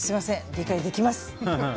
理解できます。